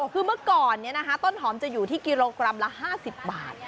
คือเมื่อก่อนเนี่ยนะคะต้นหอมจะอยู่ที่กิโลกรัมละห้าสิบบาท